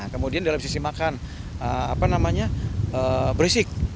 kemudian dalam sisi makan apa namanya berisik